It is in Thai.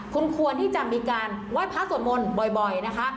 คุณควรที่จะมีการไหว้พระสวดมนต์บ่อยนะคะ